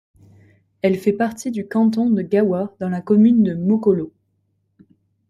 Elle fait partie du canton de Gawar dans la commune de Mokolo.